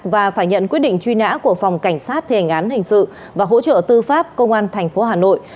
và phải nhận quyết định truy nã của phòng cảnh sát thể hành án hình sự và hỗ trợ tư pháp công an thành phố hà nội